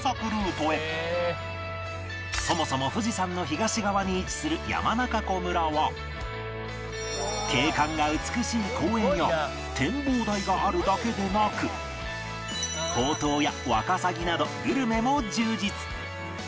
そもそも富士山の東側に位置する山中湖村は景観が美しい公園や展望台があるだけでなくほうとうやワカサギなどグルメも充実